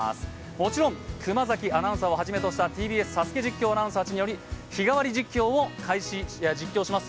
もちろん熊崎アナウンサーをはじめとしたＴＢＳ「ＳＡＳＵＫＥ」アナウンサーが日替わり実況を行います。